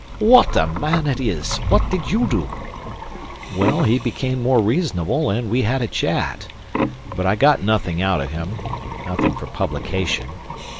"What a man it is! What did you do?" "Well, he became more reasonable and we had a chat. But I got nothing out of him nothing for publication."